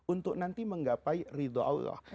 untuk nanti menggapai ridho allah